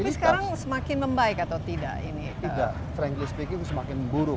tapi sekarang semakin membaik atau tidak ini tidak frankly speaking semakin buruk